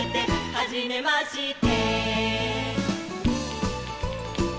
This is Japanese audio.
「はじめまして」